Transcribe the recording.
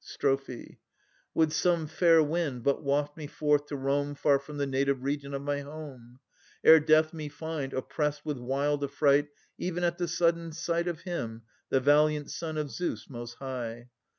Would some fair wind II 1 But waft me forth to roam Far from the native region of my home, Ere death me find, oppressed with wild affright Even at the sudden sight Of him, the valiant son of Zeus most High!